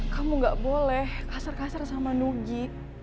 kamu gak boleh kasar kasar sama nugi